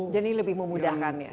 jadi lebih memudahkan ya